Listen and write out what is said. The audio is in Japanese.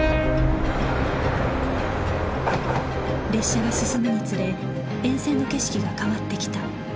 列車が進むにつれ沿線の景色が変わってきた